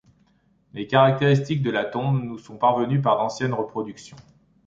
Les caractéristiques de la tombe nous sont parvenues par d'anciennes reproductions.